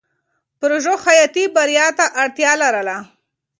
پژو حیاتي بریا ته اړتیا لرله.